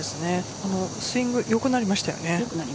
スイング良くなりましたよね。